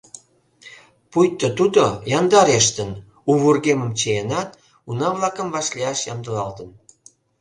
Пуйто тудо, яндарештын, у вургемым чиенат, уна-влакым вашлияш ямдылалтын.